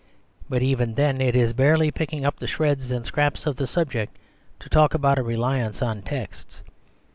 But even then it is barely picking up the shreds and scraps of the subject to talk about a reliance on texts.